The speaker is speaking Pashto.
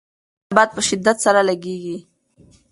باندې ګرم باد په شدت سره لګېږي.